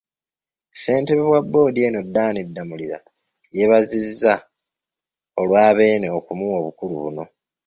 Ssentebe wa boodi eno Dan Damulira, yeebazizza olwa Beene okumuwa obukulu buno.